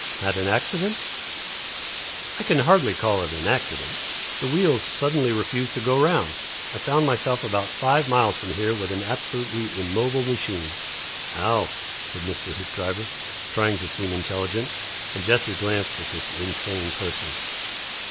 "Had an accident?" "I can hardly call it an accident. The wheels suddenly refused to go round. I found myself about five miles from here with an absolutely immobile machine." "Ow!" said Mr. Hoopdriver, trying to seem intelligent, and Jessie glanced at this insane person.